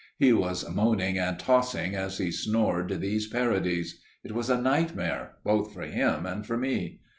He was moaning and tossing as he snored these parodies. It was a nightmare, both for him and for me.